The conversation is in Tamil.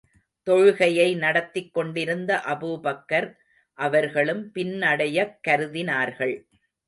தொழுகையை நடத்திக் கொண்டிருந்த அபூபக்கர் அவர்களும் பின்னடையக் கருதினார்கள்.